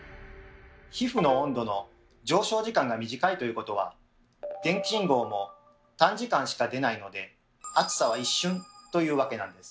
皮膚の温度の上昇時間が短いということは電気信号も短時間しか出ないので熱さは一瞬というわけなんです。